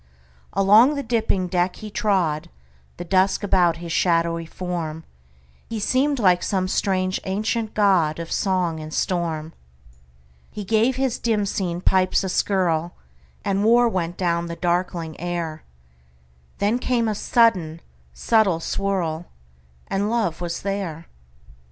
Along the dipping deck he trod, The dusk about his shadowy form; He seemed like some strange ancient godOf song and storm. He gave his dim seen pipes a skirlAnd war went down the darkling air; Then came a sudden subtle swirl, And love was there.